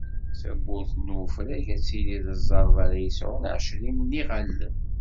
Tabburt n ufrag ad tili d ẓẓerb ara yesɛun ɛecrin n iɣallen.